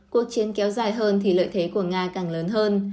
cuộc chiến kéo dài hơn thì lợi thế của nga càng lớn hơn